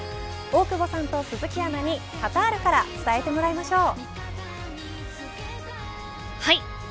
大久保さんと鈴木アナにカタールから伝えてもらいましょう。